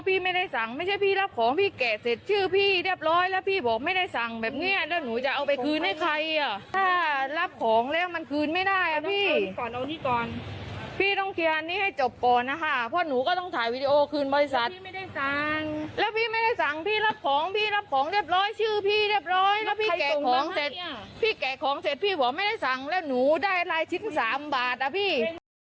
พี่แกะของเสร็จพี่บอกไม่ได้สั่งแล้วหนูได้รายชิ้น๓บาทละพี่